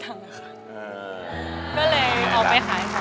ก็เลยเอาไปขายค่ะ